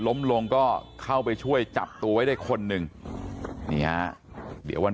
ล้มลงก็เข้าไปช่วยจับตัวไว้ได้คนหนึ่งนี่ฮะเดี๋ยววัน